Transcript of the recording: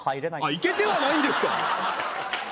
行けてはないんですか